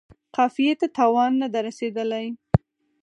قافیې ته تاوان نه دی رسیدلی.